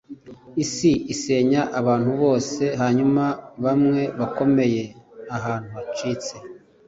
isi isenya abantu bose, hanyuma, bamwe bakomeye ahantu hacitse